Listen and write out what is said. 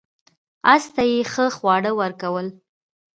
اس ته یې ښه خواړه ورکول.